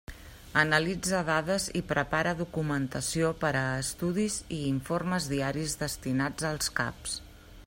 Analitza dades i prepara documentació per a estudis i informes diaris destinats als caps.